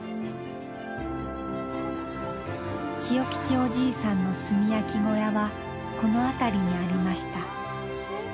「千代吉おじいさんの炭焼き小屋はこの辺りにありました」。